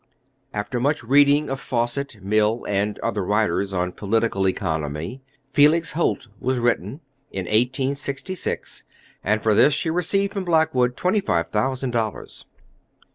After much reading of Fawcett, Mill, and other writers on political economy, Felix Holt was written, in 1866, and for this she received from Blackwood twenty five thousand dollars.